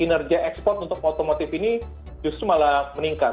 kinerja ekspor untuk otomotif ini justru malah meningkat